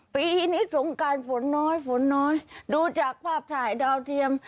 ปีนี้สงการฝนน้อยฝนน้อยดูจากภาพถ่ายดาวเทียม